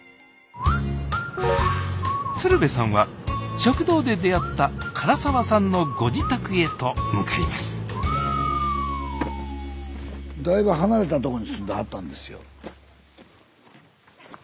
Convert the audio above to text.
鶴瓶さんは食堂で出会った唐澤さんのご自宅へと向かいますスタジオだいぶ離れたとこに住んではったんですよ。